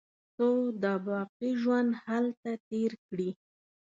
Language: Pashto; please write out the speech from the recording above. څو د باقي ژوند هلته تېر کړي.